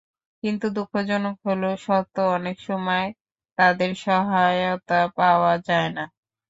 কিন্তু দুঃখজনক হলেও সত্য, অনেক সময় তাদের সহায়তা পাওয়া যায় না।